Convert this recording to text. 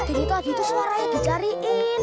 jadi tadi suaranya dicariin